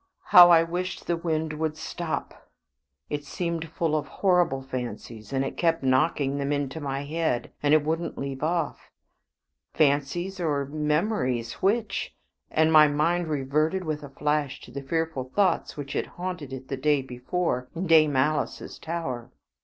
How I wished the wind would stop. It seemed full of horrible fancies, and it kept knocking them into my head, and it wouldn't leave off. Fancies, or memories which? and my mind reverted with a flash to the fearful thoughts which had haunted it the day before in Dame Alice's tower.